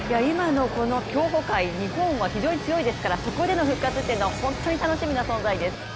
今のこの競歩界日本は非常に強いですからそこでの復活っていうのは本当に楽しみな存在です。